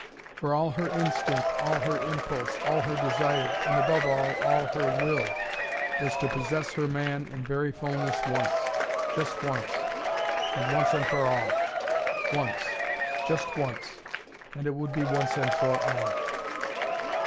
For all her instinct, all her impulse, all her desire, and above all, all her will, was to possess her man in very fulness once: just once: and once and for all. Once, just once: and it would be once and for all.